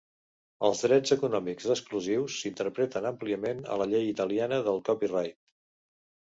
Els drets econòmics exclusius s'interpreten àmpliament a la llei italiana del copyright.